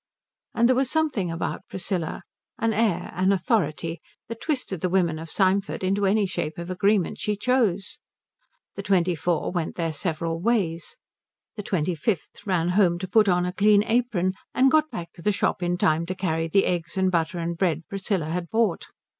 And there was something about Priscilla, an air, an authority, that twisted the women of Symford into any shape of agreement she chose. The twenty four went their several ways. The twenty fifth ran home to put on a clean apron, and got back to the shop in time to carry the eggs and butter and bread Priscilla had bought.